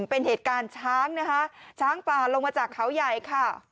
เป็นเหตุการณ์ช้างนะคะช้างป่าลงมาจากเขาใหญ่ค่ะ